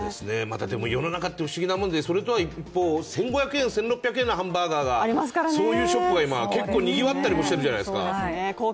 世の中で不思議なもんで、その一方で、１５００円、１６００円のハンバーガーが、そういうショップが今、結構にぎわったりもしているじゃないですか。